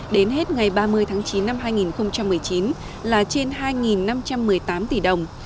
đến hết ngày ba mươi tháng chín năm hai nghìn một mươi chín là trên hai năm trăm một mươi tám tỷ đồng